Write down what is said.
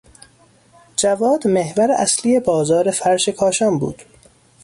جواد محور اصلی بازار فرش کاشان بود.